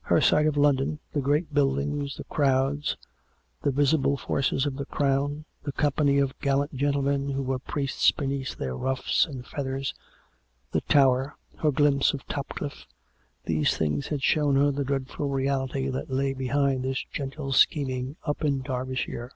Her sight of London — the great buildings, the crowds, the visible forces of the Crown, the company of gallant gentle men who were priests beneath their ruffs and feathers, the Tower, her glimpse of Topclitfe — these things had shown 220 COME RACK! COME ROPE! her the dreadful reality that lay behind this gentle scheming up in Derbyshire.